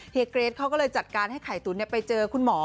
เกรทเขาก็เลยจัดการให้ไข่ตุ๋นไปเจอคุณหมอ